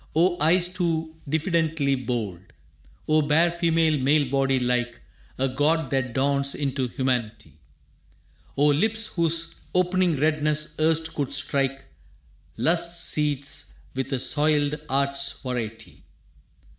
O eyes too diffidently bold! O bare female male body like A god that dawns into humanity! O lips whose opening redness erst could strike Lust's seats with a soiled art's variety!